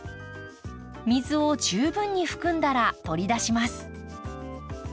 水を十分に含んだら取り出します。